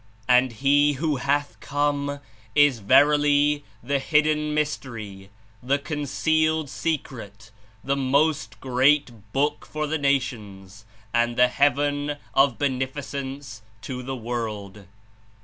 and He who hath come is verily the Hidden Myster)', the Concealed Secret, the Most Great Book for the nations, and the Heaven of Beneficence to the world.